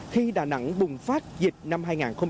khi đà nẵng bùng phát dịch năm hai nghìn hai mươi